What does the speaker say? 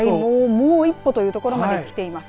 もう一歩というところまできています。